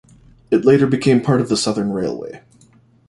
It later became part of the Southern Railway.